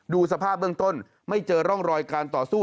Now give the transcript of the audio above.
สภาพเบื้องต้นไม่เจอร่องรอยการต่อสู้